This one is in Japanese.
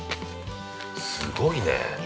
◆すごいね。